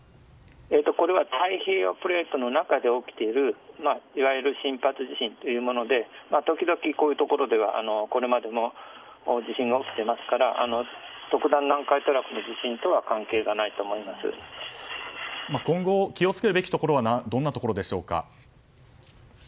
これは太平洋プレートの中で起きているいわゆる深発地震というもので時々こういうところではこれまでも地震が起きていますから特段、南海トラフの地震とは今後気を付けるべきはどんなところでしょうか。